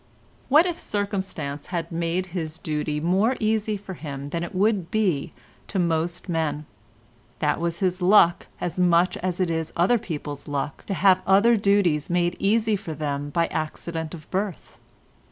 What if circumstances had made his duty more easy for him than it would be to most men? That was his luck, as much as it is other people's luck to have other duties made easy for them by accident of birth.